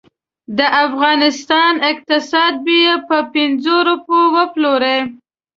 د افغانستان اقتصاد به یې په پنځو روپو وپلوري.